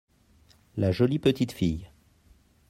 la jolie petite fille.